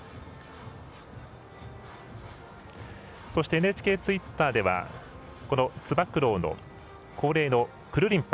ＮＨＫツイッターではつば九郎の恒例のくるりんぱ。